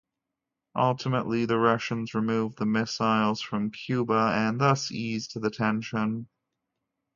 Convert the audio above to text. Ultimately, the Russians removed the missiles from Cuba and thus eased the tension.